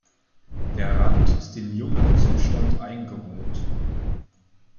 Der Rand ist in jungem Zustand eingerollt.